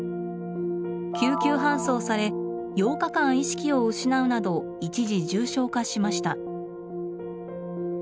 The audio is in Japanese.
救急搬送され８日間意識を失うなど一時重症化しました。